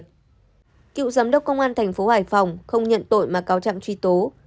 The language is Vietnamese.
cựu giám đốc công an tp hải phòng không nhận tội mà cáo chạm truy tố